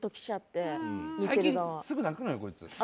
最近すぐ泣くのよ、こいつ。